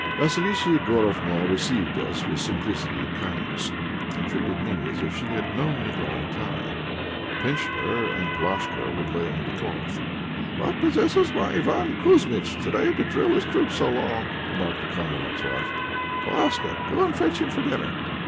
Vassilissa Igorofna received us with simplicity and kindness, and treated me as if she had known me a long time. The pensioner and Palashka were laying the cloth. "What possesses my Iván Kouzmitch to day to drill his troops so long?" remarked the Commandant's wife. "Palashka, go and fetch him for dinner.